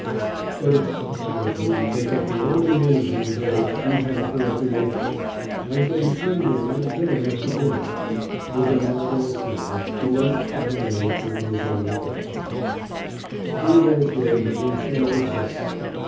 "But it's too bad of me to take up the only moment in the day you have for recreation. I shall be seeing Durant again after dinner." With a nod and a smile he left the Prime Minister to his own reflections. Theodore's day had been somewhat exhausting.